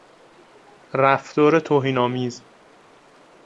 رفتار توهین آمیز